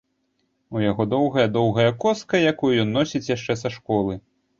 У яго доўгая-доўгая коска, якую ён носіць яшчэ са школы.